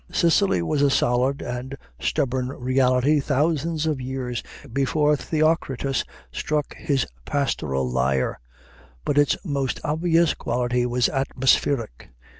Sicily was a solid and stubborn reality thousands of years before Theocritus struck his pastoral lyre; but its most obvious quality was atmospheric.